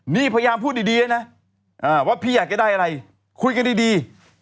นี่พยายามพูดดีด้วยนะว่าพี่อยากจะได้อะไรคุยกันดี